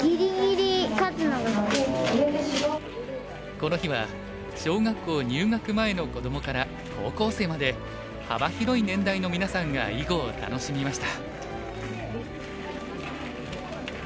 この日は小学校入学前の子どもから高校生まで幅広い年代のみなさんが囲碁を楽しみました。